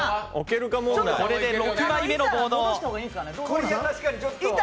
これで６枚目のボード。